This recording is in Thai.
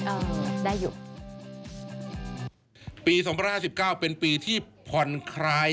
ได้อยู่ปีสองพันห้าสิบเก้าเป็นปีที่ผ่อนคลาย